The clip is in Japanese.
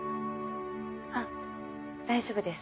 あ大丈夫です。